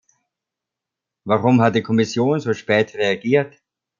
Warum hat die Kommission so spät reagiert?